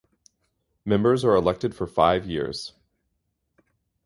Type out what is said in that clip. Members are elected for five years.